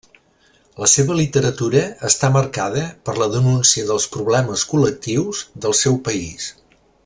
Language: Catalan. La seva literatura està marcada per la denúncia dels problemes col·lectius del seu país.